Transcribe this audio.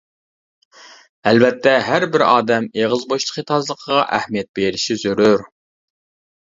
ئەلۋەتتە، ھەربىر ئادەم ئېغىز بوشلۇقى تازىلىقىغا ئەھمىيەت بېرىشى زۆرۈر.